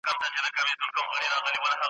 او تر نني ورځي پوري `